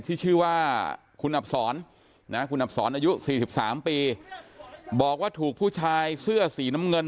ที่ชื่อว่าคุณอับสอนนะคุณอับสอนอายุ๔๓ปีบอกว่าถูกผู้ชายเสื้อสีน้ำเงิน